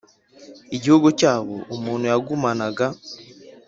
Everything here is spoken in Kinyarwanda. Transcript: igihugu cyabo umuntu yagumanaga